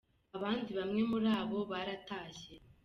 abandi bamwe muri abo baratashye